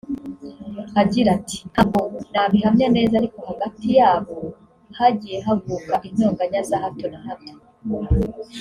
Agira ati “Ntabwo nabihamya neza ariko hagati yabo hagiye havuka intonganya za hato na hato